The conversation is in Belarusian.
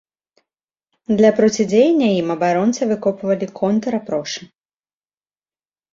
Для процідзеяння ім абаронцы выкопвалі контр-апрошы.